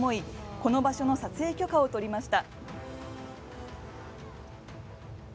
この場所の撮影許可を取りました。